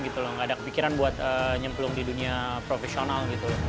tidak ada kepikiran untuk menyemplung di dunia profesional